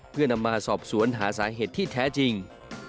เพื่อนำมาสอบสวนหาสาเหตุที่แท้จริง